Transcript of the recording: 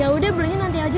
ya udah belinya nanti aja ya